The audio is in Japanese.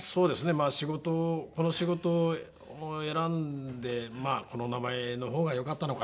まあ仕事この仕事を選んでまあこの名前の方がよかったのかなとは。